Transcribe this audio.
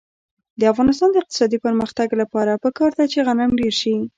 د افغانستان د اقتصادي پرمختګ لپاره پکار ده چې غنم ډېر شي.